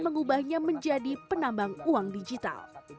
mengubahnya menjadi penambang uang digital